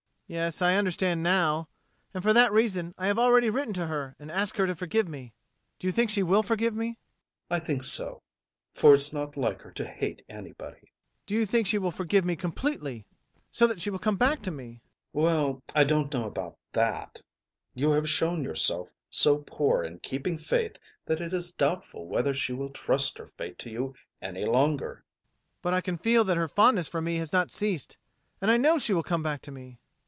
Yes, I understand now And for that reason I have already written to her and asked her to forgive me Do you think she will forgive me? ADOLPHE. I think so, for it's not like her to hate anybody. MAURICE. Do you think she will forgive me completely, so that she will come back to me? ADOLPHE. Well, I don't know about that. You have shown yourself so poor in keeping faith that it is doubtful whether she will trust her fate to you any longer. MAURICE. But I can feel that her fondness for me has not ceased, and I know she will come back to me. ADOLPHE.